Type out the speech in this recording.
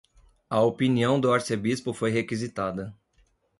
A opinião do arcebispo foi requisitada